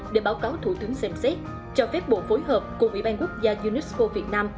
để báo cáo thủ tướng xem xét cho phép bộ phối hợp của ubnd unesco việt nam